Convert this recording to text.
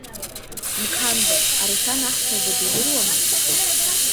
Мқанба, Арушьан Ахсалба дудыруама?